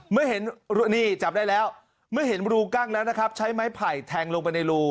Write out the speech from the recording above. เมื่อเห็นนี่จับได้แล้วเมื่อเห็นรูกั้งแล้วนะครับใช้ไม้ไผ่แทงลงไปในรู